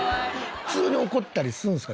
普通に怒ったりするんですか？